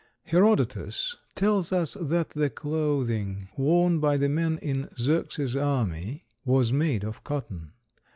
Herodotus tells us that the clothing worn by the men in Xerxes' army was made of cotton.